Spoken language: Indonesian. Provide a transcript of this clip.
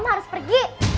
om harus pergi